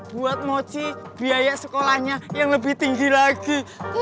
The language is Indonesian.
buat moci biaya sekolahnya yang lebih tinggi lagi